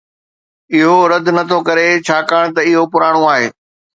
اهو رد نٿو ڪري ڇاڪاڻ ته اهو پراڻو آهي